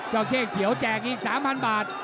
เจ้าเครียงเขียวแจกอีก๓๐๐๐บาท